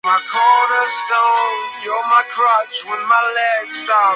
El observatorio está rodeado por el Jardín Botánico de la Universidad de Estrasburgo.